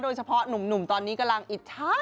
โดยเฉพาะหนุ่มตอนนี้กำลังอิจฉา